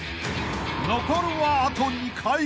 ［残るはあと２回］